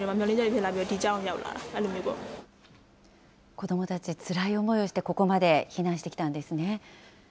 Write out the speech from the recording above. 子どもたち、つらい思いをしてここまで避難してきたんですね。